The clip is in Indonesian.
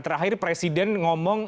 terakhir presiden ngomong